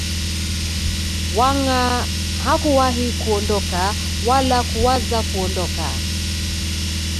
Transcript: wenger hakuwahi kuondoka wala kuwaza kuondoka